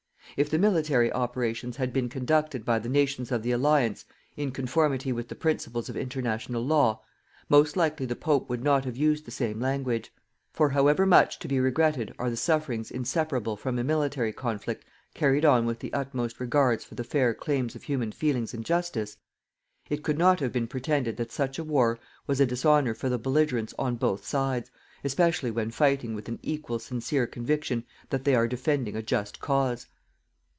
If the military operations had been conducted by the nations of the Alliance in conformity with the principles of International Law, most likely the Pope would not have used the same language. For, however much to be regretted are the sufferings inseparable from a military conflict carried on with the utmost regards for the fair claims of human feelings and justice, it could not have been pretended that such a war was a dishonour for the belligerents on both sides, especially when fighting with an equally sincere conviction that they are defending a just cause.